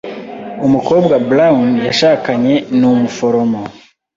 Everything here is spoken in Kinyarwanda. Umukobwa Brown yashakanye ni umuforomo.